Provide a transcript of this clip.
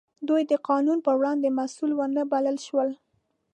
دوی د قانون په وړاندې مسوول ونه بلل شول.